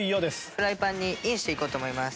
フライパンにインしていこうと思います。